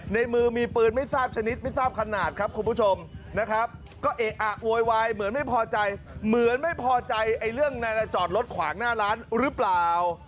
ในมือมีปืนไม่ทราบชนิดไม่ทราบขนาดครับคุณผู้ชมนะครับก็เอะอะโวยวายเหมือนไม่พอใจเหมือนไม่พอใจไอ้เรื่องนั้นจอดรถขวางหน้าร้านหรือเปล่า